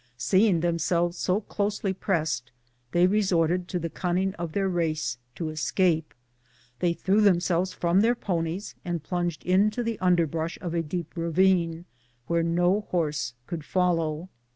Tliey seeing themselves so closely pressed, resorted to the cunning of their race to escape. They threw themselves from their ponies, and plunged into the underbrush of a deep 166 BOOTS AND SADDLES. ravine where no horse could follow.